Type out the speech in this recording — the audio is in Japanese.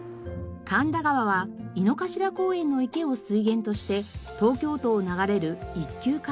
神田川は井の頭公園の池を水源として東京都を流れる一級河川。